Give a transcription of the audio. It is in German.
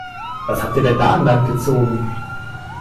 Was habt ihr denn da an Land gezogen?